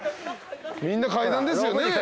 みんな階段ですよね？